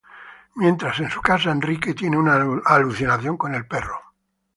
Mientras, en su casa, Henry tiene una alucinación con el perro.